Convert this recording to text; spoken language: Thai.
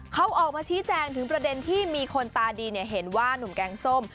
เขาออกมาชี้แจงถึงประเด็นที่มีคนตาดีเห็นว่านุ่มแกงส้ม